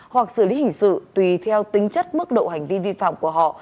hoặc xử lý hình sự tùy theo tính chất mức độ hành vi vi phạm của họ